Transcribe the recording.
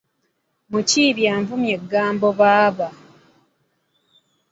Mukiibi anvumye eggambo baaba!